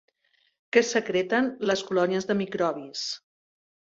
Què secreten les colònies de microbis?